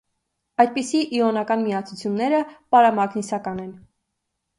Այդպիսի իոնական միացությունները պարամագնիսական են։